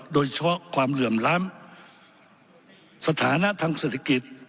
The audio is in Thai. โดยเฉพาะความเหลื่อมล้ำสถานะทางเศรษฐกิจ